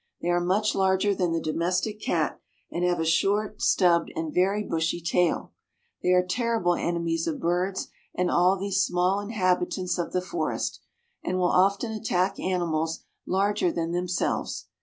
They are much larger than the domestic cat, and have a short, stubbed, and very bushy tail. They are terrible enemies of birds and all the small inhabitants of the forest, and will often attack animals larger than themselves.